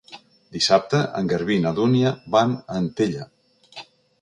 Dissabte en Garbí i na Dúnia van a Antella.